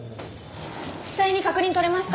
地裁に確認取れました。